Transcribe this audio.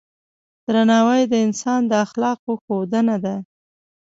درناوی د انسان د اخلاقو ښودنه ده.